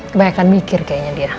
kebanyakan mikir kayaknya dia